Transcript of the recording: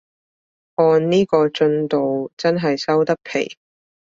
按呢個進度真係收得皮